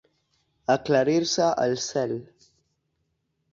Aclarir-se el cel.